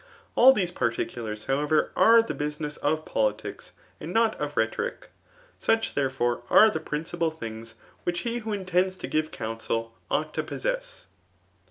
All these particulars, however, are the busmess of politics, and not of rhetoric. Such, Aet^^ foMe^ are the principal things which he who intends to give counsel ought to possess.